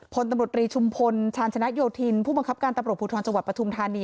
พลตำรวจรีชุมพลชาญชนะโยธินผู้บังคับการตำรวจภูทรจังหวัดปฐุมธานี